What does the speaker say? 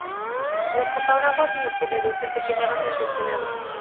Los fotógrafos y los periodistas se quedaron impresionados.